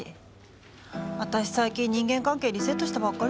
私最近人間関係リセットしたばっかりなんだよね。